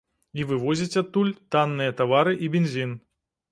І вывозіць адтуль танныя тавары і бензін.